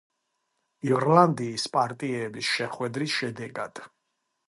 ირლანდიის პარტიების შეხვედრის შედეგად.